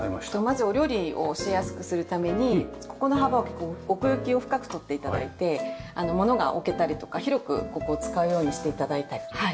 まずお料理をしやすくするためにここの幅を奥行きを深くとって頂いて物が置けたりとか広くここを使うようにして頂いたり。